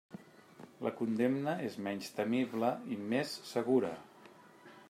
La condemna és menys temible i més segura.